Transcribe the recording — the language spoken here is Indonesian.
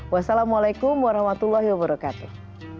wassalamualaikum warahmatullahi wabarakatuh